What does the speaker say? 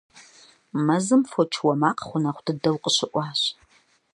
Мэзым фоч уэ макъ гъунэгъу дыдэу къыщыӀуащ.